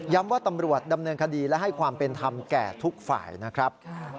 ว่าตำรวจดำเนินคดีและให้ความเป็นธรรมแก่ทุกฝ่ายนะครับ